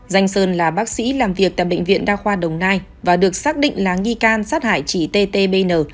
danh sơn là bác sĩ làm việc tại bệnh viện đa khoa đồng nai và được xác định là nghi can sát hại chị t t b n